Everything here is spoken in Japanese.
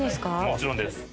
もちろんです。